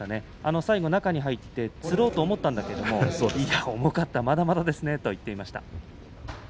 最後、中に入ってつろうと思ったんだけども、いや重かったまだまだですねと話しています。